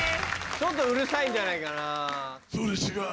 ちょっとうるさいんじゃないかな。